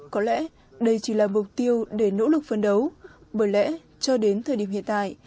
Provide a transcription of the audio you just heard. có lẽ đây chỉ là mục tiêu để nỗ lực phấn đấu bởi lẽ cho đến thời điểm hiện tại